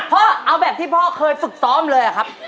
เอาแบบที่พ่อเคยฝึกซ้อมเลยอะครับ